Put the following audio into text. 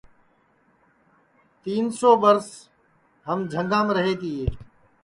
شہرا کی ٻُدھی کم تی کیونکہ تین سو سال ہم جھنگام رہے تیے